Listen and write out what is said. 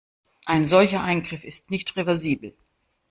Ein solcher Eingriff ist nicht reversibel.